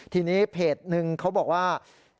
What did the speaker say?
ทีนี้เพจนึงเขาบอกว่า